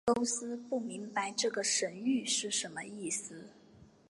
埃勾斯不明白这个神谕是什么意思。